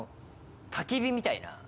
たき火みたいな。